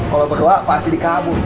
kalau berdoa pasti dikabul